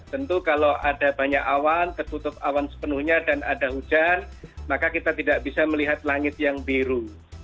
tentu kalau ada banyak awan tertutup awan sepenuhnya dan ada hujan maka kita tidak bisa melihat langit yang biru